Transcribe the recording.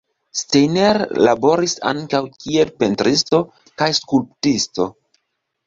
Steiner laboris ankaŭ kiel pentristo kaj skulptisto.